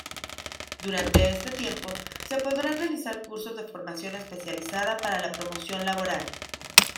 Durante este tiempo se podrán realizar cursos de formación especializada para la promoción laboral.